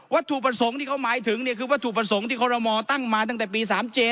ถูกประสงค์ที่เขาหมายถึงคือวัตถุประสงค์ที่คอรมอตั้งมาตั้งแต่ปี๓๗